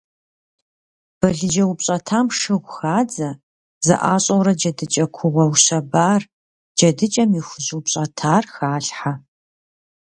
Балыджэ упщӏэтам шыгъу хадзэ, зэӏащӏэурэ джэдыкӏэ кугъуэ ущэбар, джэдыкӏэм и хужь упщӏэтар халъхьэ.